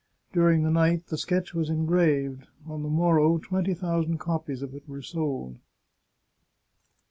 During the night the sketch was engraved; on the morrow twenty thousand copies of it were sold.